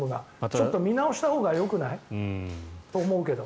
ちょっと見直したほうがよくない？と思うけど。